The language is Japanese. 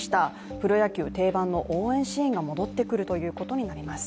プロ野球定番の応援シーンが戻ってくるということになります。